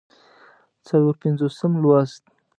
څلور پينځوسم لوست